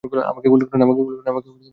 আমাকে গুলি করেন!